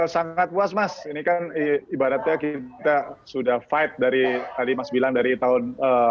sangat puas mas ini kan ibaratnya kita sudah fight dari tahun seribu sembilan ratus tujuh puluh tujuh